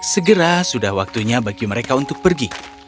segera sudah waktunya bagi mereka untuk pergi